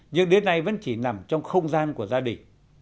nhưng đến nay vẫn chỉ nằm trong không gian của gia đình